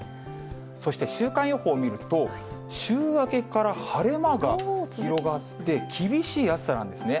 そして週間予報を見ると、週明けから晴れ間が広がって、厳しい暑さなんですね。